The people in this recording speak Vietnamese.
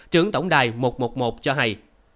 trưởng tổng đài một trăm một mươi một cho hay